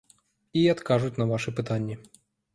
І адкажуць на вашы пытанні!